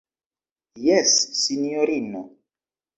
Jes, sinjorino.